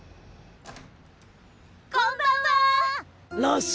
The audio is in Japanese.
こんばんは！